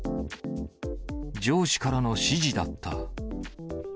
上司からの指示だった。